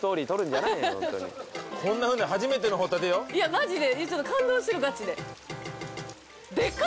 マジで？